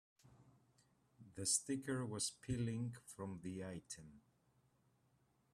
The sticker was peeling from the item.